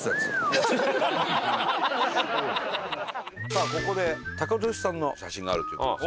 「さあここでタカトシさんの写真があるという事です。